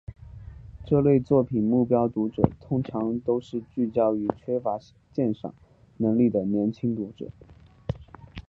这类作品目标读者通常都是聚焦于缺乏鉴赏能力的年轻读者。